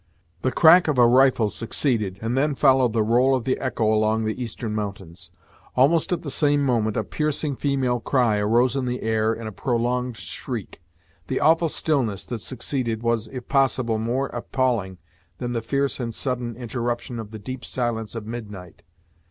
The crack of a rifle succeeded, and then followed the roll of the echo along the eastern mountains. Almost at the same moment a piercing female cry rose in the air in a prolonged shriek. The awful stillness that succeeded was, if possible, more appalling than the fierce and sudden interruption of the deep silence of midnight.